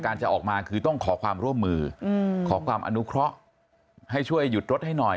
จะออกมาคือต้องขอความร่วมมือขอความอนุเคราะห์ให้ช่วยหยุดรถให้หน่อย